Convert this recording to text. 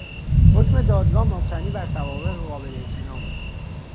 حکم دادگاه مبتنی بر سوابق قابل اطمینان بود.